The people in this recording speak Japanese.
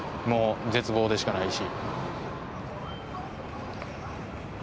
もう絶望でしかないし。